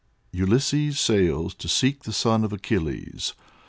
ULYSSES SAILS TO SEEK THE SON OF ACHILLES.